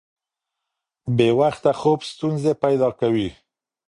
بې وخته خوب ستونزې پیدا کوي.